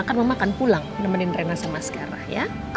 kan mama akan pulang nemenin rena sama skara ya